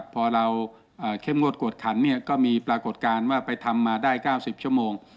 พอเราเข้มงวดกวดขันก็มีปรากฏการณ์ว่าไปทำมาได้๙๐ชั่วโมง